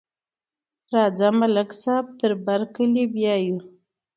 راځه، ملک صاحب تر برکلي بیایو.